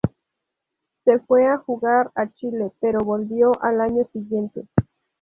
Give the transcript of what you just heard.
Se fue a jugar a Chile, pero volvió al año siguiente.